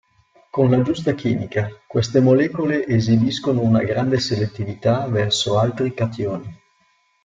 Con la giusta chimica queste molecole esibiscono una grande selettività verso altri cationi.